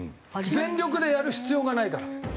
全力でやる必要がないから。